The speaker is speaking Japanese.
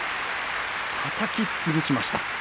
はたきつぶしました。